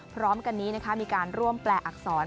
พร้อมกันนี้มีการร่วมแปลอักษร